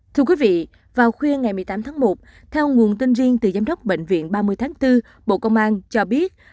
thưa quý vị vào khuya ngày một mươi tám tháng một theo nguồn tin riêng từ giám đốc bệnh viện ba mươi tháng bốn bộ công an cho biết